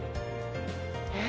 え？